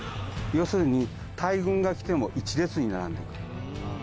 要するに、大軍が来ても１列に並んでいく。